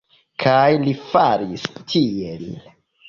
Kaj li faris tiel.